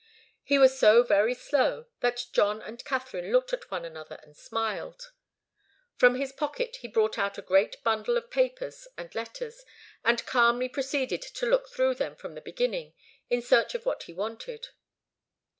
He was so very slow that John and Katharine looked at one another and smiled. From his pocket he brought out a great bundle of papers and letters, and calmly proceeded to look through them from the beginning, in search of what he wanted.